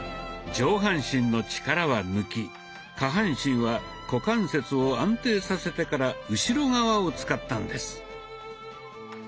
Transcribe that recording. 上半身の力は抜き下半身は股関節を安定させてから後ろ側を使ったんです。